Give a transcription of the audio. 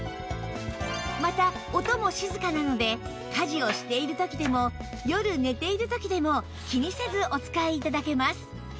また音も静かなので家事をしている時でも夜寝ている時でも気にせずお使い頂けます